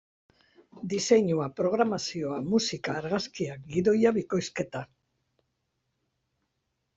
Diseinua, programazioa, musika, argazkiak, gidoia, bikoizketa...